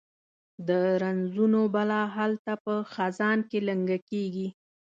د رنځونو بلا هلته په خزان کې لنګه کیږي